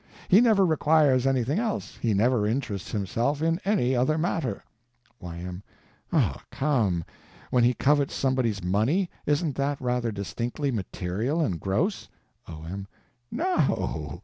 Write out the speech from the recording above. He never requires anything else, he never interests himself in any other matter. Y.M. Ah, come! When he covets somebody's money—isn't that rather distinctly material and gross? O.M. No.